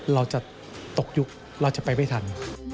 เราจะตกยุคเราจะไปไม่ทัน